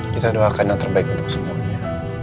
kita doakan yang terbaik untuk semuanya